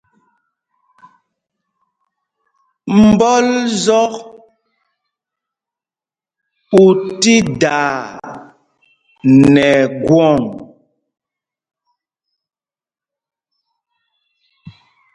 Mbɔl zɔk ú tí daa nɛ ɛgwɔŋ.